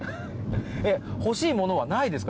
欲しいものはないですか？